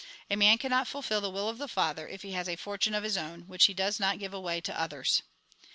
A man cannot fulfil the will of the Father, if he has a fortune of his own, which he does not give away to others."